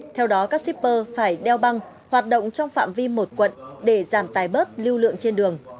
theo đó các shipper phải đeo băng hoạt động trong phạm vi một quận để giảm tài bớt lưu lượng trên đường